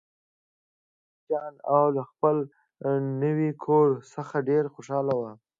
واړه بچیان له خپل نوي کور څخه ډیر خوشحاله وو